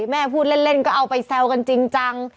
แม่พูดเล่นก็เอาไปแซวกันจริงจัง